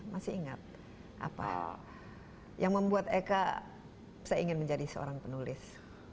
masih ingat apa yang membuat eka saya ingin menjadi seorang penulis